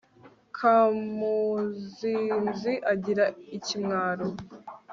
Kamuzinzi agira ikimwaro